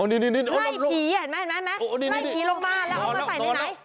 นี่ไล่ผีเห็นไหมเห็นไหมไล่ผีลงมาแล้วเอามาใส่ในไหน